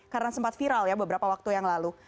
karena sempat viral ya beberapa waktu yang lalu